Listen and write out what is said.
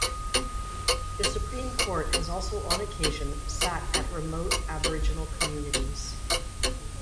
The Supreme Court has also on occasion sat at remote aboriginal communities.